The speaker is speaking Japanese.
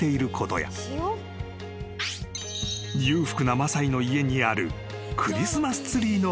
［裕福なマサイの家にある］